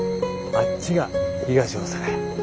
あっちが東大阪や。